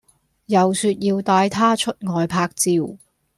又說要帶她出外拍照